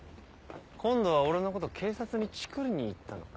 今度は俺のこと警察にチクりに行ったのか？